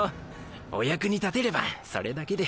お役に立てればそれだけで。